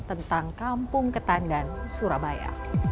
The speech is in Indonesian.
tentang kampung ketandang surabaya